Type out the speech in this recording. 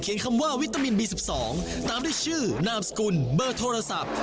คำว่าวิตามินบี๑๒ตามด้วยชื่อนามสกุลเบอร์โทรศัพท์